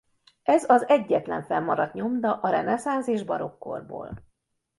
Ez az egyetlen fennmaradt nyomda a reneszánsz és barokk korból.